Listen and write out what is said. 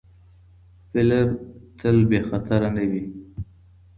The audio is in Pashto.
فیلر تل بې خطره نه وي.